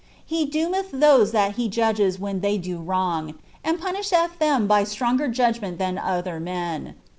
He doomctb iboee ibulM judges when they do wroitg, and punisheth them by stronger judnuot than other men.